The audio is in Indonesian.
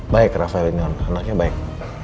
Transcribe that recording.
baik rafael ini om anaknya baik